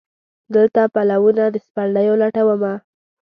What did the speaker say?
دلته پلونه د سپرلیو لټومه